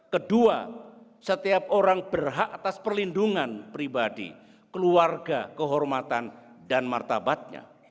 kedua setiap orang berhak atas perlindungan pribadi keluarga kehormatan dan martabatnya